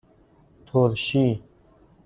ترشی